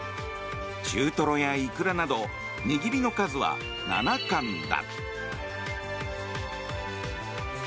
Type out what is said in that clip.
中トロやイクラなど握りの数は７貫だ。